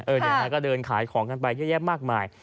เดี๋ยวนั้นก็เดินขายของกันไปเยอะแยะมากมาย